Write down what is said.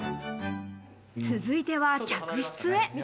続いては客室へ。